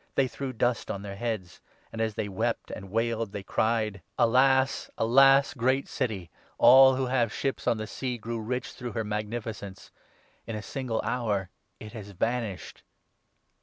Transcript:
' They threw dust on their heads, 19 and, as they wept and wailed, they cried —' Alas ! Alas ! Great 518 REVELATION OF JOHN, 18—19. City ! All who have ships on the sea grew rich through her magnificence. In a single hour it has vanished.'